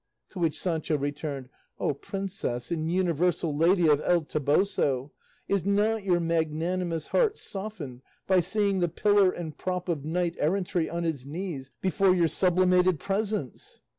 To which Sancho returned, "Oh, princess and universal lady of El Toboso, is not your magnanimous heart softened by seeing the pillar and prop of knight errantry on his knees before your sublimated presence?"